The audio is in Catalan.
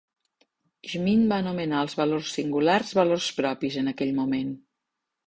Schmidt va anomenar als valors singulars "valors propis" en aquell moment.